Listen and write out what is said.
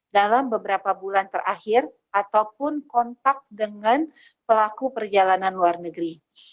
dalam beberapa bulan terakhir ataupun kontak dengan pelaku perjalanan luar negeri